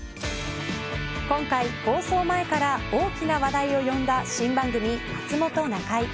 今回、放送前から大きな話題を呼んだ新番組、まつもｔｏなかい。